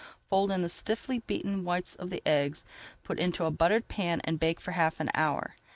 Fold in the stiffly beaten whites of the eggs, put into a buttered pan, and bake for half an hour.